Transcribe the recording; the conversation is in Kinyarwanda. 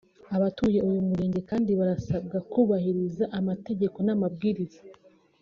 Abatuye uyu murenge kandi barasabwa kubahiriza amategeko n’amabwiriza